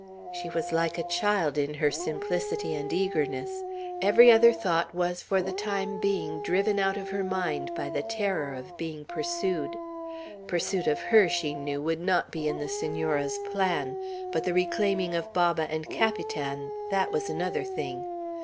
She was like a child, in her simplicity and eagerness. Every other thought was for the time being driven out of her mind by the terror of being pursued. Pursuit of her, she knew, would not be in the Senora's plan; but the reclaiming of Baba and Capitan, that was another thing.